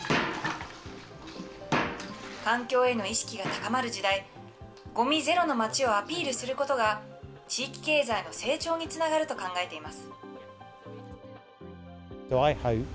環境への意識が高まる時代、ごみゼロの町をアピールすることが、地域経済の成長につながると考えています。